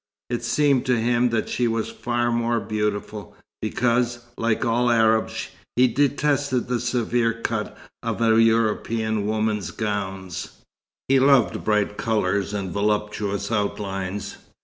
It seemed to him that she was far more beautiful, because, like all Arabs, he detested the severe cut of a European woman's gowns. He loved bright colours and voluptuous outlines.